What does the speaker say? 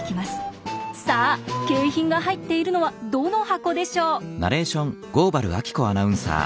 さあ景品が入っているのはどの箱でしょう？